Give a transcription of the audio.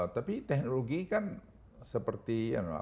tapi teknologi kan seperti